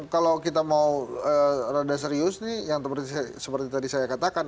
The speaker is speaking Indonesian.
kalau kita mau rada serius nih yang seperti tadi saya katakan